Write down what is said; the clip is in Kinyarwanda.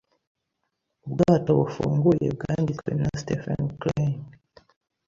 “Ubwato bufunguye” bwanditswe na Stephen Crane